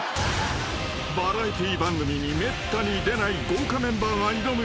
［バラエティー番組にめったに出ない豪華メンバーが挑む］